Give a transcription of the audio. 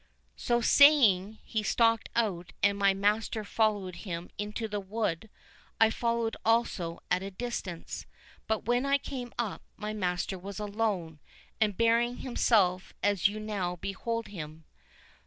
"So saying, he stalked out, and my master followed him into the wood.—I followed also at a distance. But when I came up, my master was alone, and bearing himself as you now behold him."